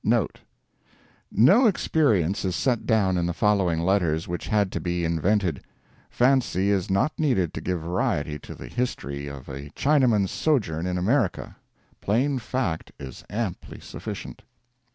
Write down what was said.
NOTE.—No experience is set down in the following letters which had to be invented. Fancy is not needed to give variety to the history of a Chinaman's sojourn in America. Plain fact is amply sufficient.